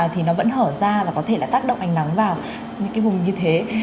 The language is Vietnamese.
thì nó vẫn hở ra và có thể là tác động ảnh nắng vào những cái vùng như thế